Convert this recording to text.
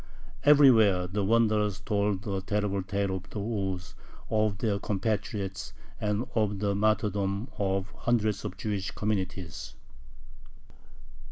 Everywhere the wanderers told a terrible tale of the woes of their compatriots and of the martyrdom of hundreds of Jewish communities.